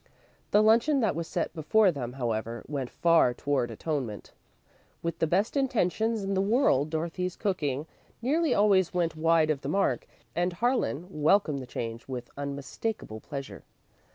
The luncheon that was set before them, however, went far toward atonement. With the best intentions in the world, Dorothy's cooking nearly always went wide of the mark, and Harlan welcomed the change with unmistakable pleasure.